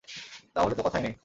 তা হলে তো কথাই নেই!